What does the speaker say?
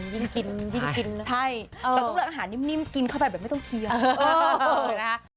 แต่ต้องเลือกอาหารนิ่มกินเข้าไปแบบไม่ต้องเคลียร์